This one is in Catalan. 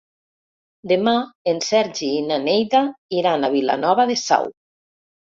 Demà en Sergi i na Neida iran a Vilanova de Sau.